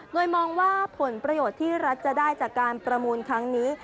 โดยมองว่าผลประโยชน์ที่รัฐจะได้จากการประมูลครั้งนี้